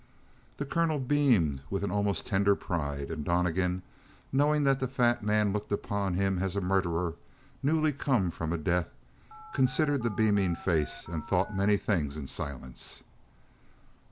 The colonel beamed with an almost tender pride, and Donnegan, knowing that the fat man looked upon him as a murderer, newly come from a death, considered the beaming face and thought many things in silence.